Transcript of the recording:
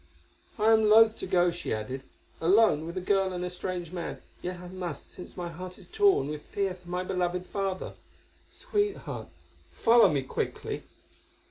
"I am loth to go," she added "alone with a girl and a strange man, yet I must since my heart is torn with fear for my beloved father. Sweetheart, follow me quickly."